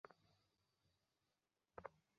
সেই বছর পরীক্ষা দেওয়া হল না!